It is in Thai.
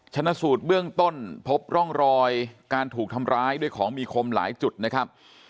ชนะสูตรเบื้องต้นพบร่องรอยการถูกทำร้ายด้วยของมีคมหลายจุดนะครับ